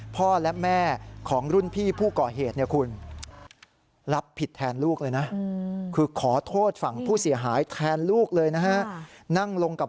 พ่อและแม่ของรุ่นพี่ผู้ก่อเหตุคุณรับผิดแทนลูกเลยนะ